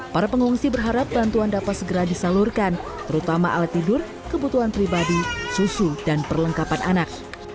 para pengungsi berharap bantuan dapat segera disalurkan terutama alat tidur kebutuhan pribadi susu dan perlengkapan anak